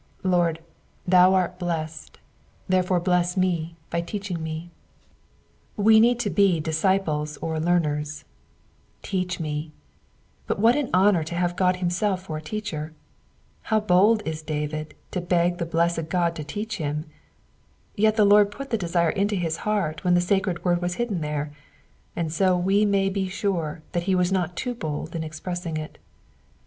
Lord, thou art blessed, therefore bless me by teaching me. We need to be disciples or learners —^*' leach «i^;" but what an honour to have God himself for a teacher : how bold is David to beg the blessed God to teach him I Yet the Lord put the desire into his heart when the sacred •word was hidden there, and so we may be sure that he was not too bold in expressing it.